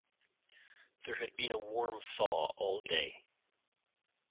There had been a warm thaw all day.